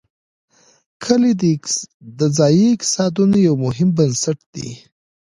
کلي د ځایي اقتصادونو یو مهم بنسټ دی.